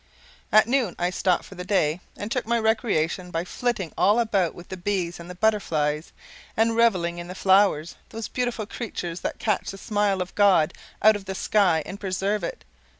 At noon I stopped for the day and took my recreation by flitting all about with the bees and the butterflies and reveling in the flowers, those beautiful creatures that catch the smile of God out of the sky and preserve it!